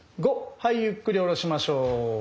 はいゆっくり下ろしましょう。